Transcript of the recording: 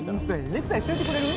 ネクタイしといてくれる？